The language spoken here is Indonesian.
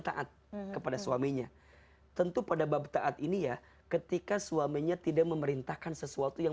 taat kepada suaminya tentu pada bab taat ini ya ketika suaminya tidak memerintahkan sesuatu yang